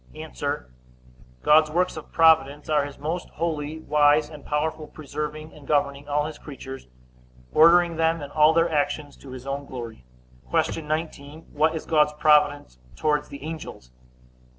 A. God's works of providence are his most holy, wise, and powerful preserving and governing all his creatures; ordering them, and all their actions, to his own glory. Q. 19. What is God's providence towards the angels?